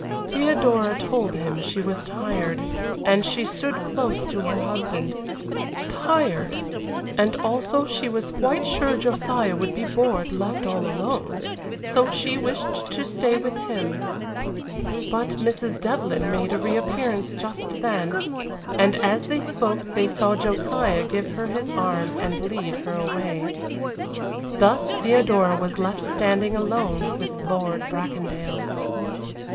Theodora told him she was tired, and she stood close to her husband; tired and also she was quite sure Josiah would be bored left all alone, so she wished to stay with him. But Mrs. Devlyn made a reappearance just then, and as they spoke they saw Josiah give her his arm and lead her away. Thus Theodora was left standing alone with Lord Bracondale.